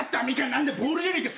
「何だボールじゃねえか。